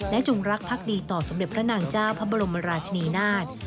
จงรักภักดีต่อสมเด็จพระนางเจ้าพระบรมราชนีนาฏ